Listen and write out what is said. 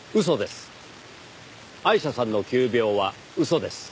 嘘です。